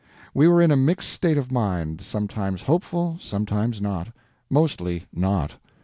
We were in a mixed state of mind—sometimes hopeful, sometimes not; mostly not.